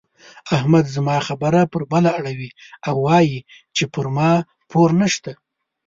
احمد زما خبره پر بله اړوي او وايي چې پر ما پور نه شته.